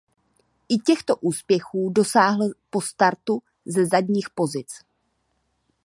I těchto úspěchů dosáhl po startu ze zadních pozic.